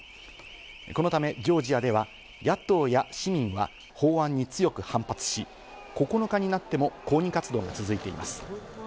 このためジョージアでは野党や市民は法案に強く反発し、９日になっても抗議活動が続いています。